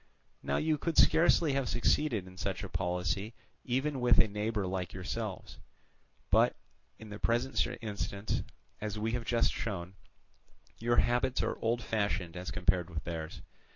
Now you could scarcely have succeeded in such a policy even with a neighbour like yourselves; but in the present instance, as we have just shown, your habits are old fashioned as compared with theirs.